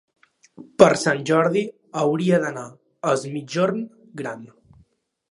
Per Sant Jordi hauria d'anar a Es Migjorn Gran.